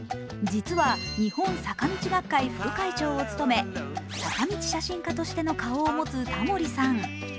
実は日本坂道学会副会長を務め坂道写真家としての顔を持つタモリさん。